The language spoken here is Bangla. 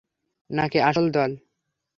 নাকি আসল দল?